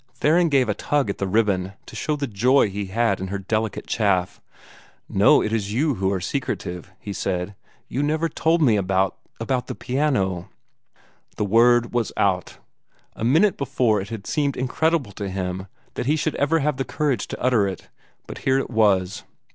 Theron gave a tug at the ribbon, to show the joy he had in her delicate chaff. "No, it is you who are secretive," he said. "You never told me about about the piano." The word was out! A minute before it had seemed incredible to him that he should ever have the courage to utter it but here it was.